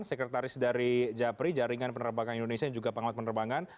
sekretaris dari japri jaringan penerbangan indonesia yang juga pengamat penerbangan